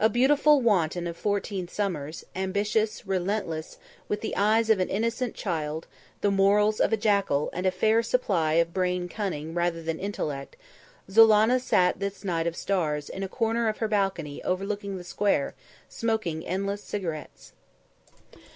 A beautiful wanton of fourteen summers, ambitious, relentless, with the eyes of an innocent child, the morals of a jackal and a fair supply of brain cunning rather than intellect, Zulannah sat this night of stars in a corner of her balcony overlooking the Square, smoking endless cigarettes.